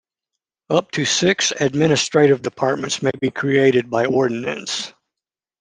Up to six administrative departments may be created by ordinance.